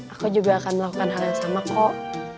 aku juga akan melakukan hal yang sama kok